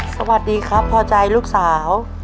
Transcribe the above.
สวัสดีครับพอใจลูกสาว